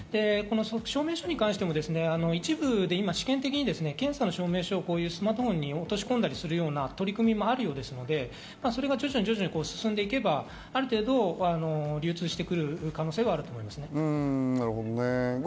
証明書に関しても、一部、検査の証明書をスマートフォンに落とし込んだりするような試みもあるので、徐々に進んでいけばある程度流通していく可能性はあると思います。